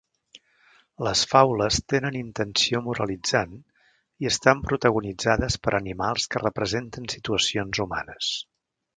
Les faules tenen intenció moralitzant i estan protagonitzades per animals que representen situacions humanes.